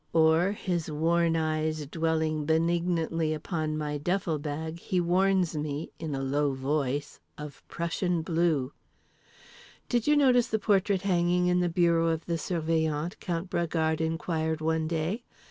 Or, his worn eyes dwelling benignantly upon my duffle bag, he warns me (in a low voice) of Prussian Blue. "Did you notice the portrait hanging in the bureau of the Surveillant?" Count Bragard inquired one day.